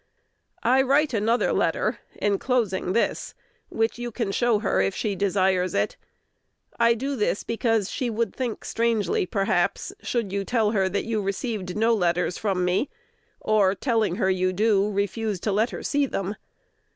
I write another letter, enclosing this, which you can show her, if she desires it. I do this because she would think strangely, perhaps, should you tell her that you received no letters from me, or, telling her you do, refuse to let her see them.